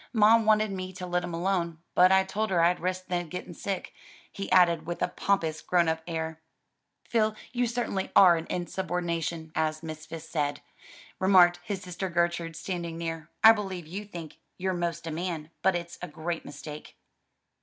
"Ma wanted me to let 'em alone, but I told her I'd risk the getting sick," he added with a pompous grown up air. "Phil, you certainly are an insubordination, as Miss Fisk said," remarked his sister Gertrude, standing near, "I believe you think you're 'most a man, but it's a great mistake."